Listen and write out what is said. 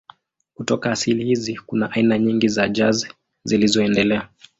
Kutoka asili hizi kuna aina nyingi za jazz zilizoendelea.